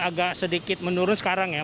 agak sedikit menurun sekarang ya